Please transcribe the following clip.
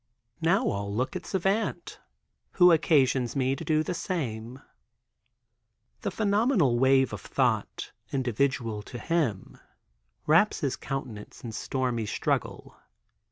Now, all look at Savant, which occasions me to do the same. The phenomenal wave of thought, individual to him, wraps his countenance in stormy struggle.